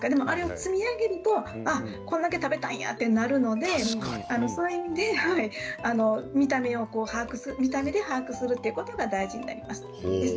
積み上げるとこれだけ食べたんだということになるのでそういう意味で見た目で把握するということが大事です。